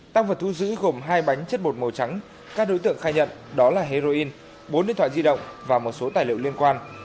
tăng vật thu giữ gồm hai bánh chất bột màu trắng các đối tượng khai nhận đó là heroin bốn điện thoại di động và một số tài liệu liên quan